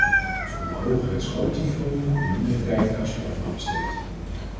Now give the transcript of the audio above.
Hoe hoger het scholingsniveau, hoe minder tijd er aan sport wordt besteed.